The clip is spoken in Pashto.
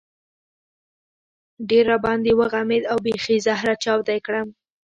ډېر را باندې وغمېد او بېخي زهره چاودی کړم.